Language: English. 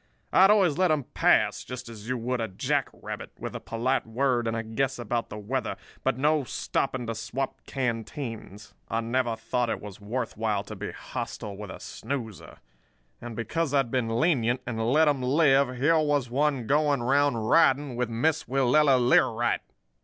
I had always let 'em pass, just as you would a jack rabbit; with a polite word and a guess about the weather, but no stopping to swap canteens. I never thought it was worth while to be hostile with a snoozer. And because I'd been lenient, and let 'em live, here was one going around riding with Miss Willella Learight!